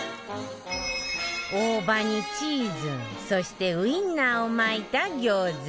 大葉にチーズそしてウインナーを巻いた餃子